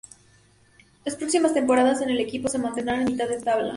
Las próximas temporadas el equipo se mantendrá en mitad de tabla.